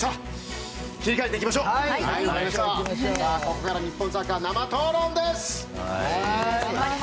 ここから日本サッカー生討論です！